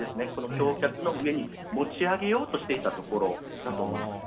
橋脚の上に持ち上げようとしていたところだと思います。